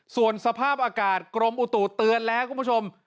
ส่วนสภาพอากาศกรมอุตุเตือนแล้วคุณผู้ชม